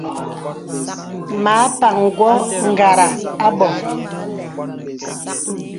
Mə a paŋ wɔ ngàrà à bɔ̄.